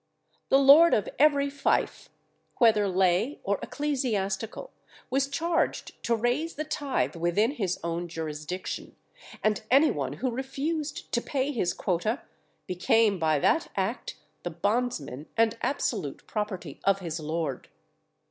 The lord of every feof, whether lay or ecclesiastical, was charged to raise the tithe within his own jurisdiction; and any one who refused to pay his quota, became by that act the bondsman and absolute property of his lord.